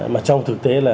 mà trong thực tế là